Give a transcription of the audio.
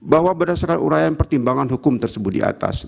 bahwa berdasarkan urayan pertimbangan hukum tersebut di atas